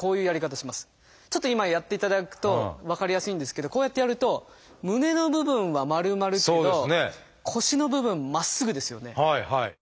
ちょっと今やっていただくと分かりやすいんですけどこうやってやると胸の部分は丸まるけど腰の部分まっすぐですよね。